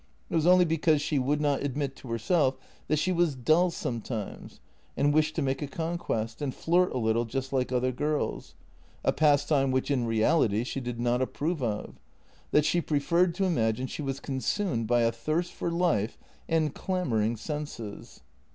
It was only because she would not admit to herself that she was dull sometimes and wished to make a conquest and flirt a little just like other girls — a pas time which in reality she did not approve of — that she pre ferred to imagine she was consumed by a thirst for life and clamouring senses.